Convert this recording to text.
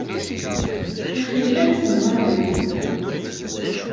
Yaxi llant temɣarin.